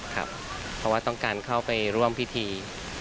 ครับเพราะว่าต้องการเข้าไปร่วมพิธี